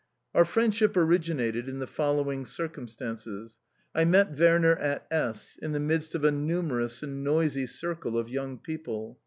Our friendship originated in the following circumstances. I met Werner at S , in the midst of a numerous and noisy circle of young people.